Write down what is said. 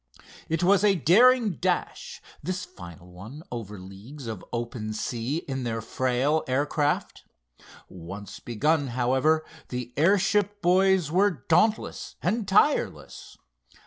It was a daring dash, this final one over leagues of open sea in their frail aircraft. Once begun, however, the airship boys were dauntless and tireless.